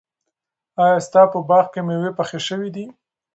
ایا ستا په باغ کې مېوې پخې شوي دي؟